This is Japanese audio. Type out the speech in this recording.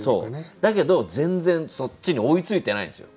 だけど全然そっちに追いついてないんですよ